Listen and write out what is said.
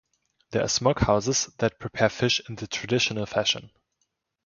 There are smoke houses that prepare fish in the traditional fashion.